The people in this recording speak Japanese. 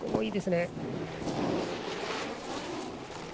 いいですね。